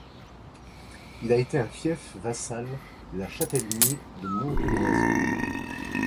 Il a été un fief vassal de la châtellenie de Montenoison.